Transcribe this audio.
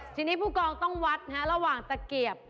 ทีนี้ผู้กองต้องวัดระหว่างตะเกียบ